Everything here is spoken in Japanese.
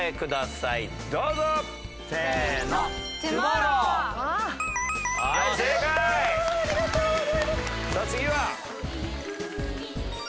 さあ次は？